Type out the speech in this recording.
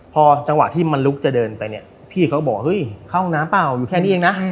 พอจังหวะที่มันลุกจะเดินไปเนี่ยพี่เขาก็บอกเฮ้ยเข้าห้องน้ำเปล่าอยู่แค่นี้เองนะ